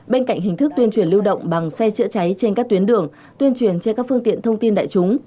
bên cạnh hình thức tuyên truyền lưu động bằng xe chữa cháy trên các tuyến đường tuyên truyền trên các phương tiện thông tin đại chúng